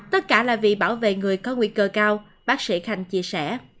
tất cả là vì bảo vệ người có nguy cơ cao bác sĩ khanh chia sẻ